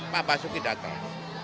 pak basuki datang